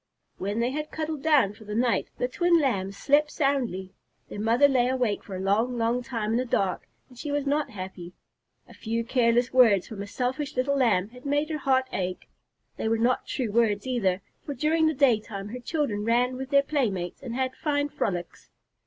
When they had cuddled down for the night, the twin Lambs slept soundly. Their mother lay awake for a long, long time in the dark, and she was not happy. A few careless words from a selfish little Lamb had made her heart ache. They were not true words either, for during the daytime her children ran with their playmates and had fine frolics.